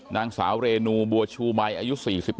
นางสาวเรนูบัวชูมัยอายุ๔๑